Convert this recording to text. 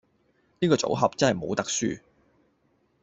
呢個組合真係冇得輸